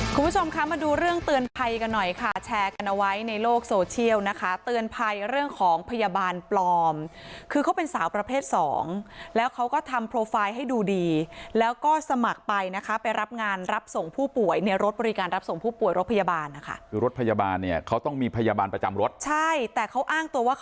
คุณผู้ชมคะมาดูเรื่องเตือนภัยกันหน่อยค่ะแชร์กันเอาไว้ในโลกโซเชียลนะคะเตือนภัยเรื่องของพยาบาลปลอมคือเขาเป็นสาวประเภทสองแล้วเขาก็ทำโปรไฟล์ให้ดูดีแล้วก็สมัครไปนะคะไปรับงานรับส่งผู้ป่วยในรถบริการรับส่งผู้ป่วยรถพยาบาลนะคะคือรถพยาบาลเนี่ยเขาต้องมีพยาบาลประจำรถใช่แต่เขาอ้างตัวว่าค